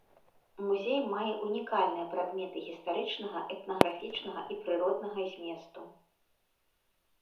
Музей мае унікальныя прадметы гістарычнага, этнаграфічнага і прыроднага зместу.